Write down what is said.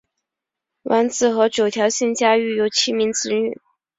完子和九条幸家育有七名子女。